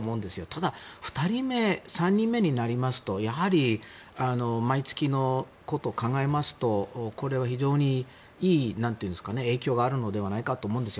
ただ２人目、３人目になりますとやはり毎月のことを考えますとこれは非常にいい影響があるのではないかと思うんです。